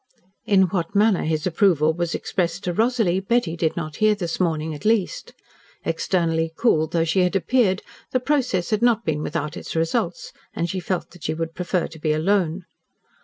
In what manner his approval was expressed to Rosalie, Betty did not hear this morning, at least. Externally cool though she had appeared, the process had not been without its results, and she felt that she would prefer to be alone.